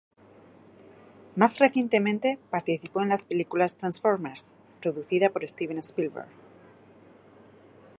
Más recientemente, participó en las películas "Transformers", producida por Steven Spielberg.